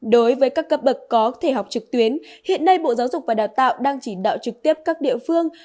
đối với các cấp bậc có thể học trực tuyến hiện nay bộ giáo dục và đào tạo đang chỉ đạo trực tiếp các địa phương